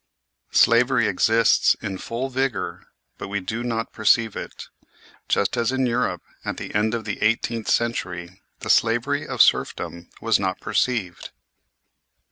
Slavery exists in full vigour, but we do not perceive it ; just as in Europe, at the end of the eighteenth century, the slavery of serfdom was not perceived.